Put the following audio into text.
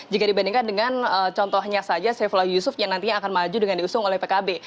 jika dibandingkan dengan contohnya saja saifullah yusuf yang nantinya akan maju dengan diusung oleh pkb